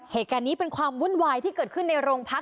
เหตุการณ์นี้เป็นความวุ่นวายที่เกิดขึ้นในโรงพัก